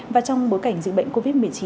và trong bối cảnh dịch bệnh covid một mươi chín